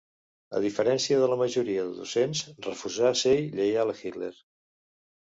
A diferència de la majoria de docents, refusà ser lleial a Hitler.